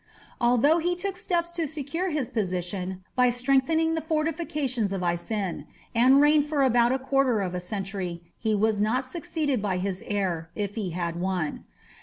Although he took steps to secure his position by strengthening the fortifications of Isin, and reigned for about a quarter of a century, he was not succeeded by his heir, if he had one.